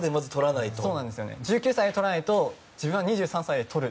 １９歳でとらないと自分は２３歳でとる。